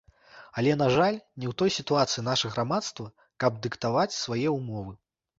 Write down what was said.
Але, на жаль, не ў той сітуацыі наша грамадства, каб дыктаваць свае ўмовы.